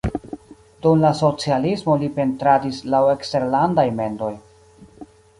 Dum la socialismo li pentradis laŭ eksterlandaj mendoj.